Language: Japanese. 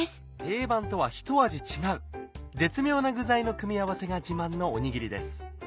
定番とはひと味違う絶妙な具材の組み合わせが自慢のおにぎりです。